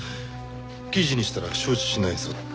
記事にしたら承知しないぞって。